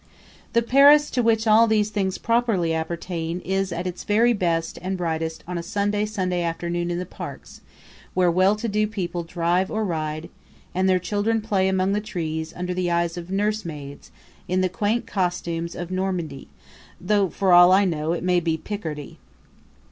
The Paris to which these things properly appertain is at its very best and brightest on a sunny Sunday afternoon in the parks where well to do people drive or ride, and their children play among the trees under the eyes of nursemaids in the quaint costumes of Normandy, though, for all I know, it may be Picardy.